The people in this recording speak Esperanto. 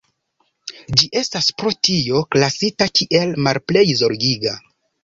Ĝi estas pro tio klasita kiel "Malplej Zorgiga".